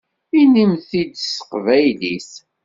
Inimt-t-id s teqbaylit!